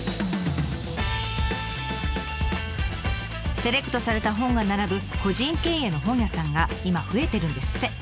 セレクトされた本が並ぶ個人経営の本屋さんが今増えてるんですって。